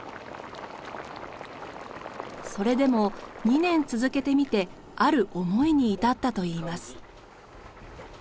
それでも２年続けてみてある思いに至ったといいます。